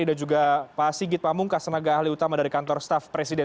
dan juga pak sigit pamungkas tenaga ahli utama dari kantor staff presiden